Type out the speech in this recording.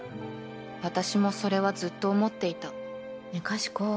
私もそれはずっと思っていたねえかしこ